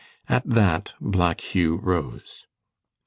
At that Black Hugh rose.